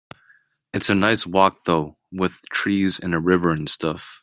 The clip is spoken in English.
It's a nice walk though, with trees and a river and stuff.